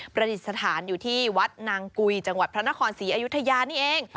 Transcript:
ประดิษฐานอยู่ที่วัดนางกุยจังหวัดพระนครศรีอยุธยานี่เอง